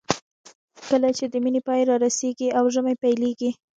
کله چې د مني پای رارسېږي او ژمی پیلېږي.